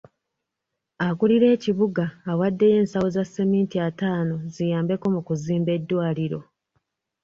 Akuulira ekibuga awaddeyo ensawo za seminti ataano ziyambeko mu kuzimba eddwaliro .